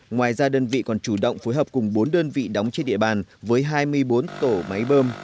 ngoài ra đơn vị còn chủ động phối hợp cùng bốn đơn vị đóng trên địa bàn với hai mươi bốn tổ máy bơm